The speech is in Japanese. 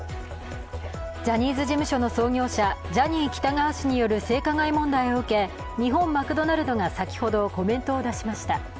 ジャニーズ事務所の創業者ジャニー喜多川氏による性加害問題を受け、日本マクドナルドが先ほど、コメントを出しました。